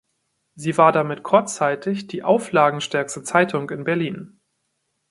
Sie war damit kurzzeitig die auflagenstärkste Zeitung in Berlin.